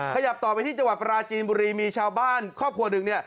ขยับต่อไปที่จังหวัดปราจีนบุรีมีชาวบ้านครอบครัวหนึ่ง